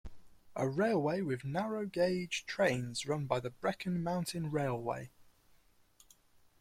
A railway with narrow gauge trains run by the Brecon Mountain Railway.